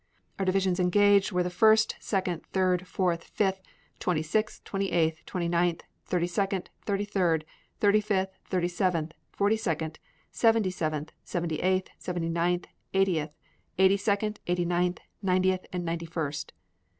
Our divisions engaged were the First, Second, Third, Fourth, Fifth, Twenty sixth, Twenty eighth, Twenty ninth, Thirty second, Thirty third, Thirty fifth, Thirty seventh, Forty second, Seventy seventh, Seventy eighth, Seventy ninth, Eightieth, Eighty second, Eighty ninth, Ninetieth, and Ninety first.